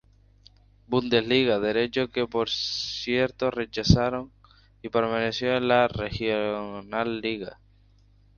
Bundesliga, derecho que por cierto rechazaron y permanecieron en la Regionalliga.